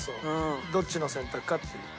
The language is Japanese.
どっちの選択かっていう。